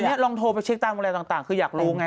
นี่ลองโทรไปเช็คตามอะไรต่างคืออยากรู้ไง